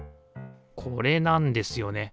これなんですよね。